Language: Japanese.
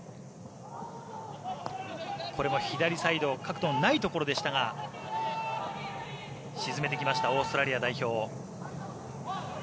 これも左サイド角度のないところでしたが沈めてきましたオーストラリア代表。